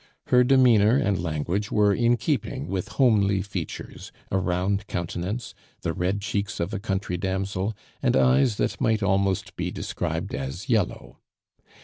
Her demeanor and language were in keeping with homely features, a round countenance, the red cheeks of a country damsel, and eyes that might almost be described as yellow.